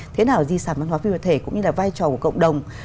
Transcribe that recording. thế nào di sản văn hóa phi vật thể cũng như là vai trò của cộng đồng